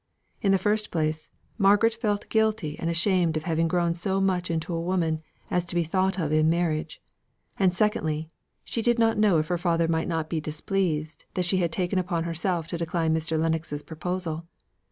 In the first place, Margaret felt guilty and ashamed of having grown so much into a woman as to be thought of in marriage; and secondly, she did not know if her father might not be displeased that she had taken upon herself to decline Mr. Lennox's proposal.